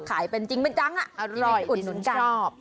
ไขมันจริงไหมจังอร่อยอุ่นนวลย์ชอบ